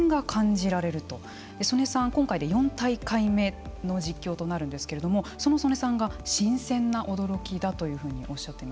曽根さんは今回で４大会目の実況となるんですけれどもその曽根さんが新鮮な驚きだというふうにおっしゃってました。